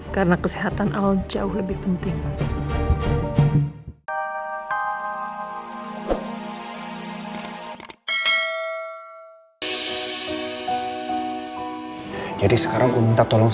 karena kesehatan al jauh lebih penting